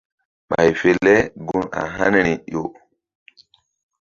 Ɓay fe le gun a haniri ƴo.